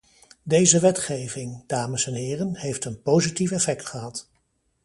Deze wetgeving, dames en heren, heeft een positief effect gehad.